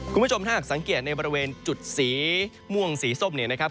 คุณผู้ชมถ้าหากสังเกตในบริเวณจุดสีม่วงสีส้มเนี่ยนะครับ